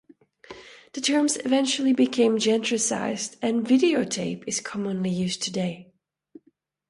The terms eventually became genericized, and "videotape" is commonly used today.